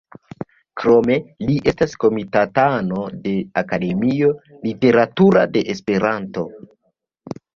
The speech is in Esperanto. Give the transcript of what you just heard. Krome li estas komitatano de Akademio Literatura de Esperanto.